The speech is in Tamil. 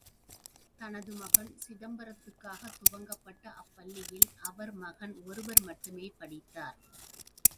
தனது மகன் சிதம்பரத்துக்காகத் துவங்கப்பட்ட அப்பள்ளியில் அவர் மகன் ஒருவர் மட்டுமே படித்தார்.